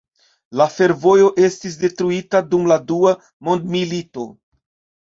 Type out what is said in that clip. La fervojo estis detruita dum la Dua Mondmilito.